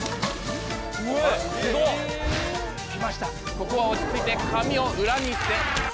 ここは落ち着いて紙を裏にして。